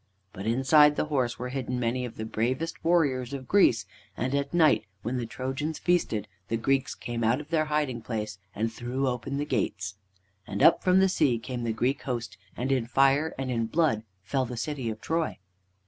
But inside the horse were hidden many of the bravest warriors of Greece, and at night, when the Trojans feasted, the Greeks came out of their hiding place and threw open the gates. And up from the sea came the Greek host, and in fire and in blood fell the city of Troy.